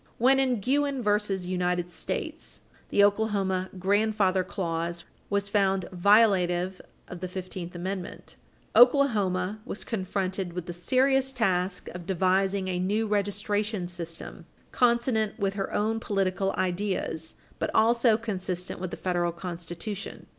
When, in Guinn v. United States, supra, the Oklahoma "grandfather clause" was found violative of the Fifteenth Amendment, Oklahoma was confronted with the serious task of devising a new registration system consonant with her own political ideas but also consistent with the Federal Constitution.